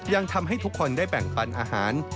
ยังทำให้ทุกคนได้แบ่งปันอาหาร